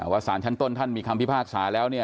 สารชั้นต้นท่านมีคำพิพากษาแล้ว